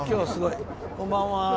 こんばんは。